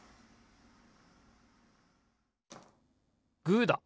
グーだ！